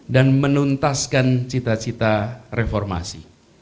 dan menuntaskan cita cita reformasi